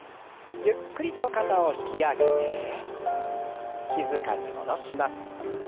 ゆっくりと肩を引き上げて静かに下ろします。